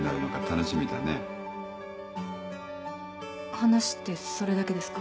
話ってそれだけですか？